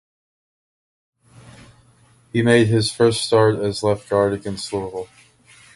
He made his first start as left guard against Louisville.